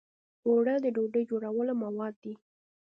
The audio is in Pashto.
اوړه د ډوډۍ جوړولو مواد دي